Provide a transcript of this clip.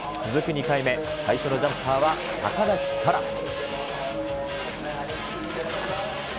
続く２回目、最初のジャンパーは高梨沙羅。